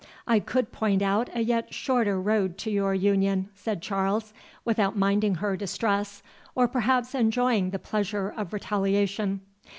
"I could point out a yet shorter road to your union," said Charles, without minding her distress, or perhaps enjoying the pleasure of retaliation.